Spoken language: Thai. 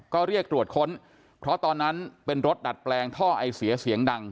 ก็เรียกตรวจค้นเพราะตอนนั้นเป็นรถดัดแปลงท่อไอเสียเสียงดัง